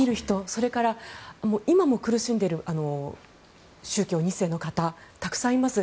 それから、今も苦しんでいる宗教２世の方たくさんいます。